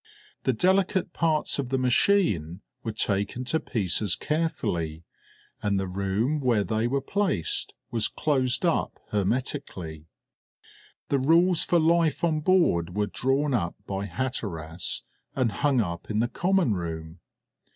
The delicate parts of the machine were taken to pieces carefully, and the room where they were placed was closed up hermetically. The rules for life on board were drawn up by Hatteras and hung up in the common room.